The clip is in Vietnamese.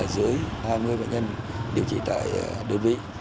dưới hai mươi bệnh nhân điều trị tại đơn vị